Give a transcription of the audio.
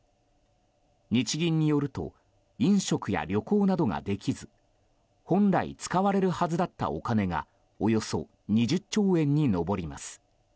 日銀によると飲食や旅行などができず本来、使われるはずだったお金がおよそ２０兆円に上ります。